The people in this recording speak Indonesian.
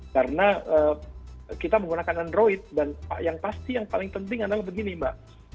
karena kita menggunakan android dan yang pasti yang paling penting adalah begini mbak